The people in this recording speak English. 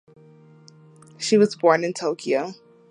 She was born in Tokyo.